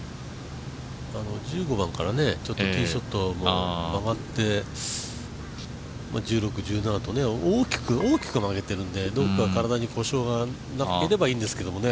１５番からティーショットも曲がって、１６、１７と大きく曲げているのでどこか体に故障がなければいいんですけどもね。